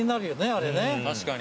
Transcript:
あれね。